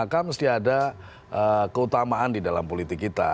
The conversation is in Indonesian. terus dia ada keutamaan di dalam politik kita